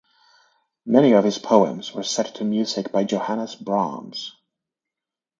Many of his poems were set to music by Johannes Brahms.